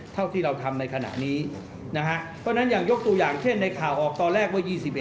เท่าที่เราทำในขณะนี้นะฮะเพราะฉะนั้นอย่างยกตัวอย่างเช่นในข่าวออกตอนแรกว่า๒๑